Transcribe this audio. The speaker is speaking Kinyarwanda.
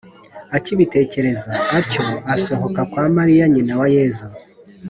Akibitekereza atyo asohoka kwa Mariya nyina wa Yezu